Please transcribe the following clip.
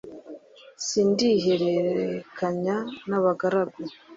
Sindihererekanya n'abagaragu